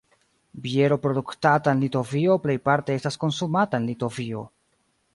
Biero produktata en Litovio plejparte estas konsumata en Litovio.